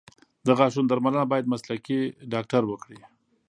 د غاښونو درملنه باید مسلکي ډاکټر وکړي.